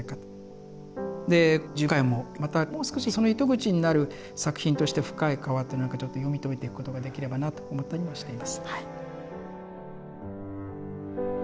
で次回もまたもう少しその糸口になる作品として「深い河」って読み解いていくことができればなと思ったりもしています。